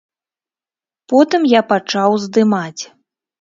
Потым я пачаў здымаць.